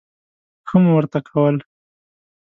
ښه مو ورته کول.